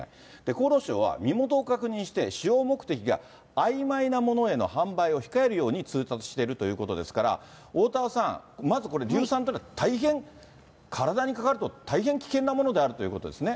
厚労省は、身元を確認して、使用目的があいまいなものへの販売を控えるように通達しているということですから、おおたわさん、まずこれ、硫酸というのは、大変、体にかかると大変危険なものであるということですね。